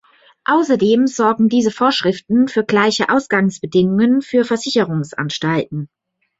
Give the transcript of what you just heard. Außerdem sorgen diese Vorschriften für gleiche Ausgangsbedingungen für Versicherungsanstalten.